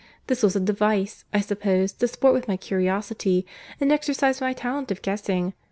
This was a device, I suppose, to sport with my curiosity, and exercise my talent of guessing.